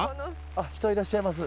人いらっしゃいます。